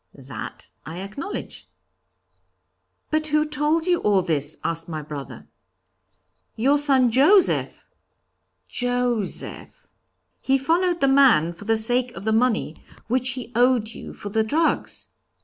'That I acknowledge.' 'But who told you all this?' asked my brother. 'Your son, Joseph!' 'Joseph!' 'He followed the man for the sake of the money, which he owed you for the drugs.'